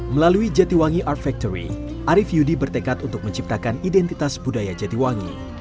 melalui jatiwangi art factory arief yudi bertekad untuk menciptakan identitas budaya jatiwangi